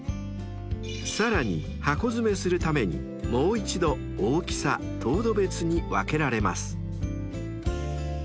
［さらに箱詰めするためにもう一度大きさ糖度別に分けられます］